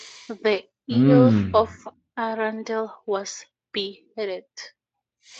The Earl of Arundel was beheaded.